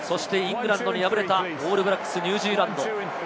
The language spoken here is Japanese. そしてイングランドに敗れたオールブラックス・ニュージーランド。